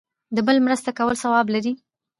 د بل مرسته کول ثواب لري